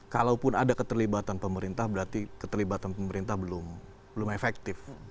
kalaupun ada keterlibatan pemerintah berarti keterlibatan pemerintah belum efektif